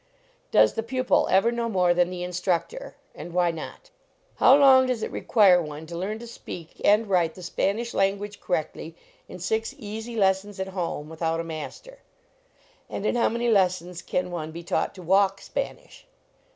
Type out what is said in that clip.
Does the pupil ever know more than the instructor? And whv not? How long does it require one to learn to speak and write the Spanish language correctly in six easy les 74 LEARNING TO PLAY sons, at home, without a master? And in how many lessons can one be taught to walk Spanish?